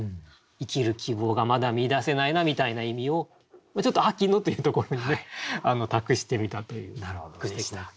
生きる希望がまだ見いだせないなみたいな意味をちょっと「秋の」というところに託してみたという句でした。